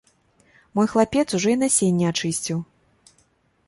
Мой хлапец ужо і насенне ачысціў.